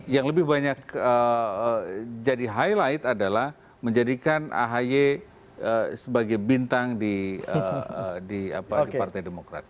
yang lebih banyak jadi highlight adalah menjadikan ahy sebagai bintang di partai demokrat